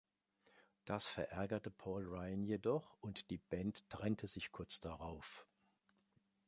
Das verärgerte Paul Ryan jedoch und die Band trennte sich kurz darauf.